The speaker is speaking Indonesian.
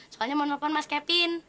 soalnya mau nelfon mas kevin